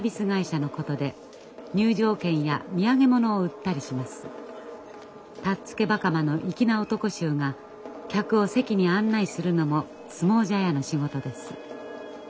たっつけ袴の粋な男衆が客を席に案内するのも相撲茶屋の仕事です。